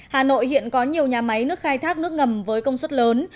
hà nội hiện có nhiều nhà máy nước khai thác nước ngầm với công suất lớn